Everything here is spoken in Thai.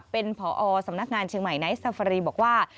เป็นผอสำนักงานเชียงใหม่ไนท์ซาฟารีบอกว่า